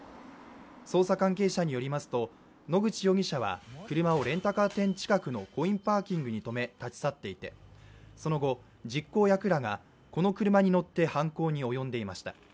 捜査関係者によりますと野口容疑者は車をレンタカー店近くのコインパーキングに止め、立ち去っていてその後、実行役らがこの車に乗って犯行に及んでいました。